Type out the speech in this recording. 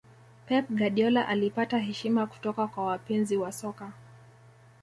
pep guardiola alipata heshima kutoka kwa wapenzi wa soka